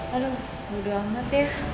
aduh udah amat ya